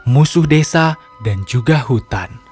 musuh desa dan juga hutan